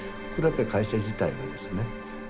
これやっぱり会社自体がですね